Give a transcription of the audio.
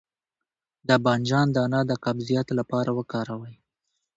د بانجان دانه د قبضیت لپاره وکاروئ